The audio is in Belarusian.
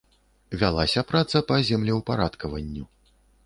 Вялася праца па землеўпарадкаванню.